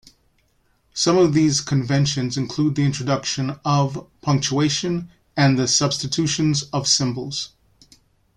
Some of these conventions include the introduction of punctuation and the substitutions of symbols.